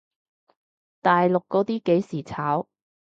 大陸嗰啲幾時炒？